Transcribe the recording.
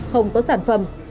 không có sản phẩm